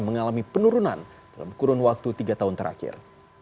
mengalami penurunan dalam kurun waktu tiga tahun terakhir